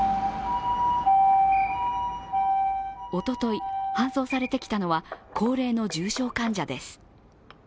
おととい、搬送されてきたのは高齢の重症患者です。